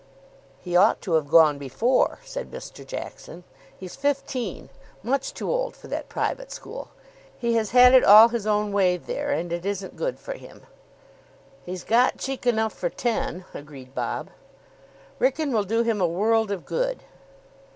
"He ought to have gone before," said Mr. Jackson. "He's fifteen. Much too old for that private school. He has had it all his own way there, and it isn't good for him." "He's got cheek enough for ten," agreed Bob. "Wrykyn will do him a world of good."